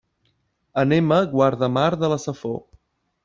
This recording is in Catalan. Anem a Guardamar de la Safor.